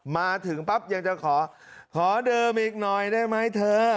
มาถึงปั๊บยังจะขอขอเดิมอีกหน่อยได้ไหมเธอ